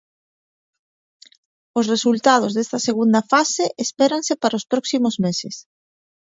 Os resultados desta segunda fase espéranse para os próximos meses.